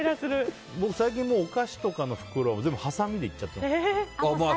僕、最近お菓子とかの袋全部はさみでいっちゃってます。